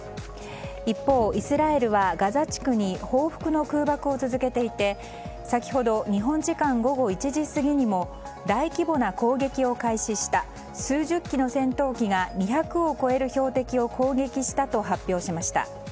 一方、イスラエルはガザ地区に報復の空爆を続けていて先ほど日本時間午後１時過ぎにも大規模な攻撃を開始した数十機の戦闘機が２００を超える標的を攻撃したと発表しました。